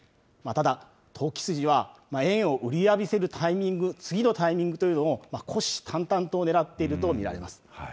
ただ、投機筋は円を売り浴びせるタイミング、次のタイミングというのを、虎視たんたんと狙っていると見られます。